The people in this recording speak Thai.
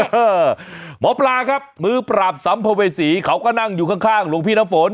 หมอปลาครับมือปราบสัมภเวษีเขาก็นั่งอยู่ข้างหลวงพี่น้ำฝน